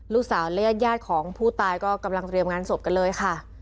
ลูกสาวและญาติของผู้ตายก็กำลังเตรียมงานศพกันเลยค่ะ